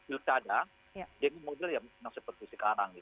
pilkada dengan model yang seperti sekarang